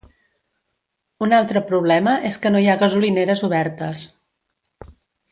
Un altre problema és que no hi ha gasolineres obertes.